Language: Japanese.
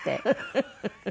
フフフフ。